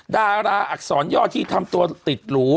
ดาราอักษรย่อที่ทำตัวติดหรู